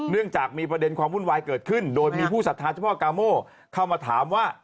เนื่องจากมีประเด็นความวุ่นวายเกิดขึ้นโดยมีผู้สัทธาเฉพาะกาโมเข้ามาถามว่า